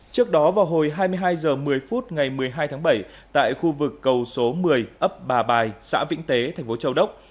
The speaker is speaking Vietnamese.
trước đó vào hồi hai mươi hai h một mươi phút ngày một mươi hai tháng bảy tại khu vực cầu số một mươi ấp bà bài xã vĩnh tế thành phố châu đốc